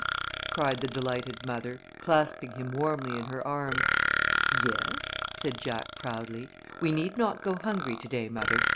cried the delighted mother, clasping him warmly in her arms. "Yes," said Jack, proudly. "We need not go hungry to day, mother.